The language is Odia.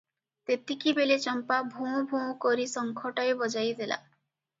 ତେତିକିବେଳେ ଚମ୍ପା ଭୋଁ, ଭୋଁ କରି ଶଙ୍ଖଟାଏ ବଜାଇ ଦେଲା ।